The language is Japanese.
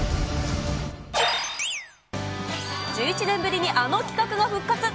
１１年ぶりにあの企画が復活。